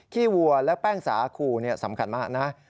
ขี้วัวและแป้งสาคูเนี่ยสำคัญมากนะครับ